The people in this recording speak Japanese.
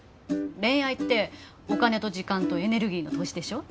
恋愛ってお金と時間とエネルギーの投資でしょ